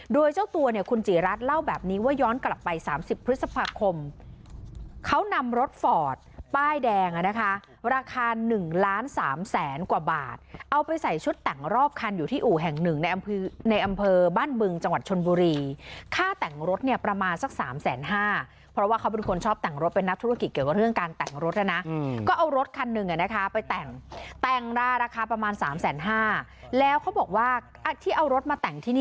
โดยเจ้าตัวเนี่ยคุณจิรัสเล่าแบบนี้ว่าย้อนกลับไป๓๐พฤษภาคมเขานำรถฟอร์ตป้ายแดงนะคะราคา๑ล้าน๓แสนกว่าบาทเอาไปใส่ชุดแต่งรอบคันอยู่ที่อู่แห่งหนึ่งในอำเภอบ้านบึงจังหวัดชนบุรีค่าแต่งรถเนี่ยประมาณสัก๓แสน๕เพราะว่าเขาเป็นคนชอบแต่งรถเป็นนักธุรกิจเกี่ยวกับเรื่องการแต